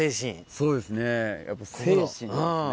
そうですねやっぱ精神ですね。